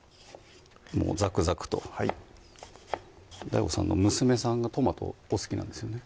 もうザクザクとはいＤＡＩＧＯさんの娘さんがトマトお好きなんですよね？